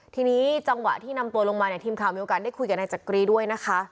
ทีนี้จังหวะที่นำตัวลงมาเนี่ยทีมข่าวมีโอกาสได้คุยกับนายจักรีด้วยนะคะ